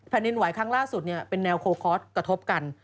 ดินไหวครั้งล่าสุดเป็นแนวโคคอร์สกระทบกัน